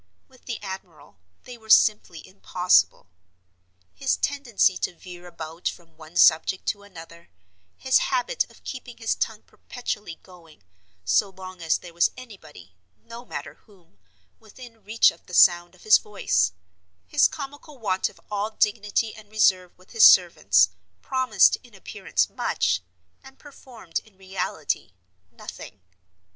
With the admiral they were simply impossible. His tendency to veer about from one subject to another; his habit of keeping his tongue perpetually going, so long as there was anybody, no matter whom, within reach of the sound of his voice; his comical want of all dignity and reserve with his servants, promised, in appearance, much, and performed in reality nothing.